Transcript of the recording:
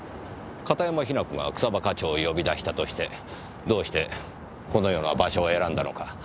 片山雛子が草葉課長を呼び出したとしてどうしてこのような場所を選んだのか甚だ疑問です。